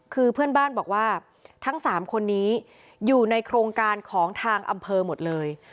คือเพื่อนบ้านบอกว่าทั้ง๓คนนี้อยู่ในโครงการของทางอำเภอหมดเลย